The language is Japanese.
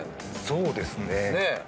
そうですね。